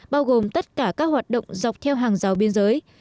bao gồm tất cả các hoạt động dọc theo hàng rào biên giới